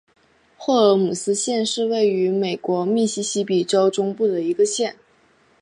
霍尔姆斯县是位于美国密西西比州中部的一个县。